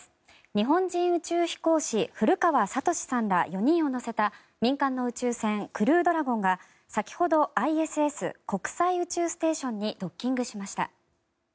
日本人宇宙飛行士古川聡さんら４人を乗せた民間の宇宙船クルードラゴンが先ほどＩＳＳ・国際宇宙ステーションにドッキングしました。